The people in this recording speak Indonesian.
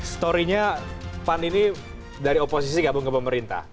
storynya pan ini dari oposisi gabung ke pemerintah